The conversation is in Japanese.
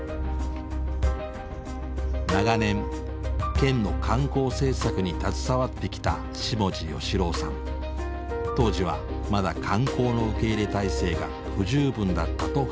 長年県の観光政策に携わってきた当時はまだ観光の受け入れ態勢が不十分だったと振り返る。